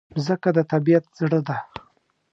مځکه د طبیعت زړه ده.